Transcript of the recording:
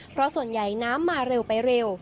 เพราะส่วนใหญ่น้ำมาเร็วไปเร็ว